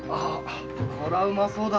これはうまそうだ。